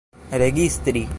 registri